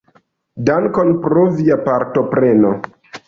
Dankon pro via partopreno.